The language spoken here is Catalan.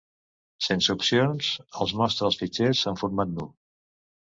Sense opcions, ls mostra els fitxers en format nu.